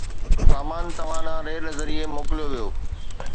سامان توهان ڏانهن ريل ذريعي موڪليو ويو